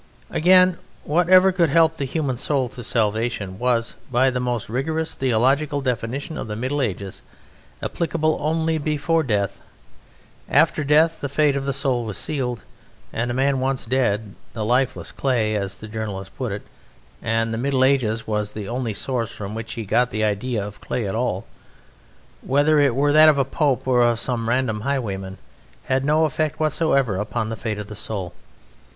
Again, whatever could help the human soul to salvation was by the most rigorous theological definition of the Middle Ages applicable only before death. After death the fate of the soul was sealed, and the man once dead, the "lifeless clay" (as the journalist put it and the Middle Ages was the only source from which he got the idea of clay at all), whether it were that of a Pope or of some random highwayman, had no effect whatsoever upon the fate of the soul.